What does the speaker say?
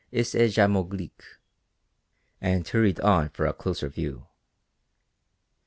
ist es ja möglich_," and hurried on for a closer view.